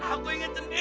aku ingat sendiri